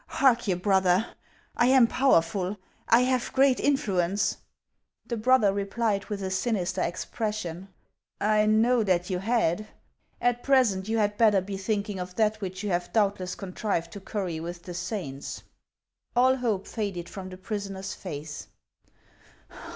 Hark ye, brother, I am powerful ; I have great influence — The brother replied with a sinister expression :" I know that you had ! At present, you had better be thinking of that which you have doubtless contrived to curry with the saints." All hope faded from the prisoner's face.